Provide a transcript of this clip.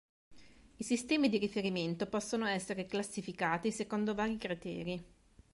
I sistemi di riferimento possono essere classificati secondo vari criteri.